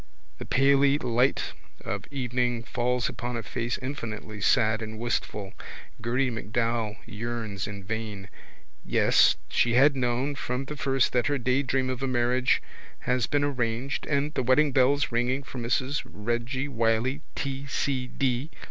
The paly light of evening falls upon a face infinitely sad and wistful. Gerty MacDowell yearns in vain. Yes, she had known from the very first that her daydream of a marriage has been arranged and the weddingbells ringing for Mrs Reggy Wylie T. C. D.